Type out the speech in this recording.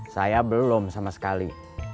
saya belum sama sekali